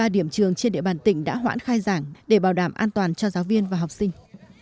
một trăm bảy mươi ba điểm trường trên địa bàn tỉnh đã hoãn khai giảng để bảo đảm an toàn cho giáo viên và học sinh